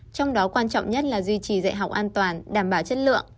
trong đó quan trọng nhất là duy trì dạy học an toàn đảm bảo chất lượng